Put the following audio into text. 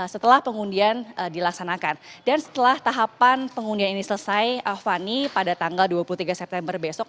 setelah pengundian dilaksanakan dan setelah tahapan pengundian ini selesai fani pada tanggal dua puluh tiga september besok